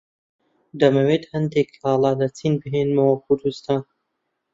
دەمەوێت هەندێک کاڵا لە چین بهێنمەوە کوردستان.